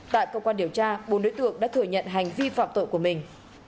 tại cơ quan điều tra bốn đối tượng đã thừa nhận hành vi phạm tội của mình